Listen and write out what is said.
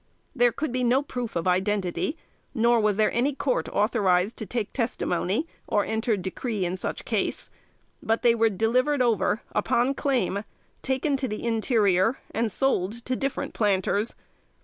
There could be no proof of identity, nor was there any court authorized to take testimony, or enter decree in such case; but they were delivered over upon claim, taken to the interior, and sold to different planters.